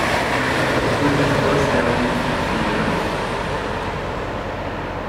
It was his first album in six years.